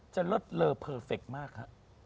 จะเลิศเลอเพอร์เฟคต์มากคะ